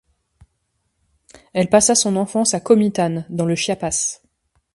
Elle passa son enfance à Comitán, dans le Chiapas.